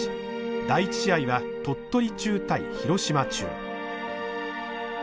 第１試合は鳥取中対廣島中。